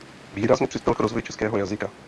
Výrazně přispěl k rozvoji českého jazyka.